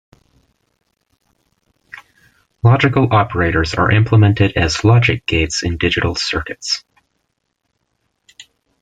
Logical operators are implemented as logic gates in digital circuits.